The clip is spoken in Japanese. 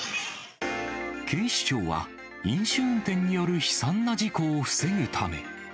警視庁は、飲酒運転による悲惨な事故を防ぐため。